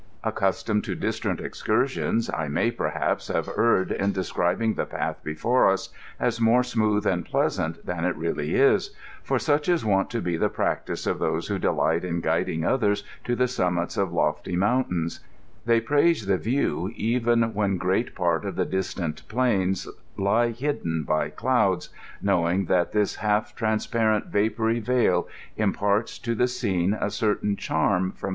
Ac customed to distant excursions, I may, perhaps, bave erred in describing tbe path before us as more smooth and pleasant than it really is, for such is wont to be the practice of tbose wbo delight in guiding others to the summits of lofty mount ains : tbey praise the view even when great part of tbe dis tant plains lie bidden by clouds, knowing^ that this half trans parent vapory vail imparts to tbe scene ^ certain charm from * Pseudo Plato.